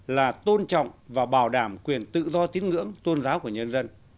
là tôn trọng và bảo đảm quyền tự do tín ngưỡng tôn giáo của nhân dân